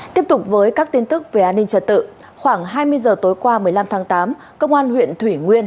tiếp tục với các tin tức về an ninh trật tự khoảng hai mươi giờ tối qua một mươi năm tháng tám công an huyện thủy nguyên